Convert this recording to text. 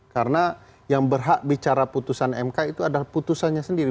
karena yang berhak bicara putusan mk itu ada putusannya sendiri